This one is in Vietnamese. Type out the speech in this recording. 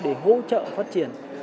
để hỗ trợ phát triển